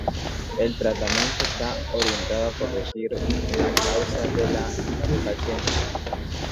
El tratamiento está orientado a corregir la causa de la hipocalcemia.